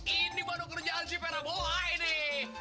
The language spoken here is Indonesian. ini baru kerjaan si pera bohai nih